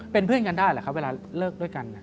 เป็นเพื่อนกันได้หรือครับเวลาเลิกด้วยกัน